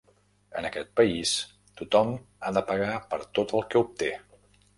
En aquest país tothom ha de pagar per tot el que obté.